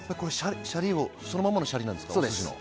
シャリはそのままのシャリですか？